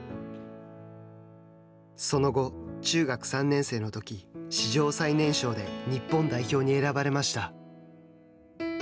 その後、中学３年生のとき史上最年少で日本代表に選ばれました。